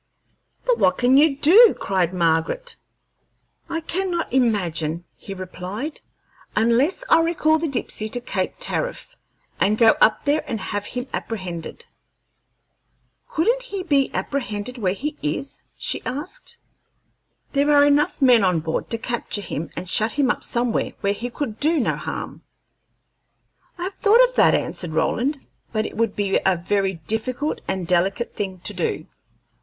"But what can you do?" cried Margaret. "I cannot imagine," he replied, "unless I recall the Dipsey to Cape Tariff, and go up there and have him apprehended." "Couldn't he be apprehended where he is?" she asked. "There are enough men on board to capture him and shut him up somewhere where he could do no harm." "I have thought of that," answered Roland, "but it would be a very difficult and delicate thing to do.